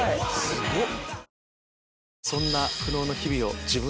すごっ。